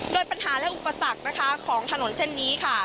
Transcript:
โดยปัญหาและอุปสรรคนะคะของถนนเส้นนี้ค่ะ